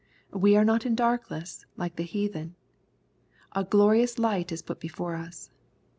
We are not in darkness like the heathen. A glorious light is put before us.